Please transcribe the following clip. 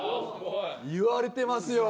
言われてますよ